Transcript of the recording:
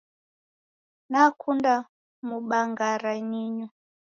Nakunda mubangara ninyo.